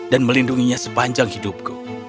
dan melindunginya sepanjang hidupku